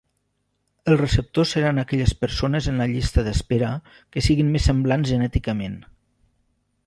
Els receptors seran aquelles persones en llista d’espera que siguin més semblants genèticament.